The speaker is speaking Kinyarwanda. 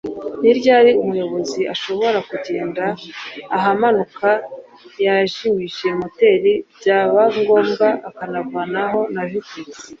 ni ryari umuyobozi ashobora kugenda ahamanuka yajimije moteri byabangombwa akavanamo na vitesse